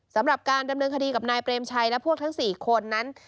สำหรับการดำเนินคดีกับนายเปรมชัยและพวกทั้ง๔คนนั้น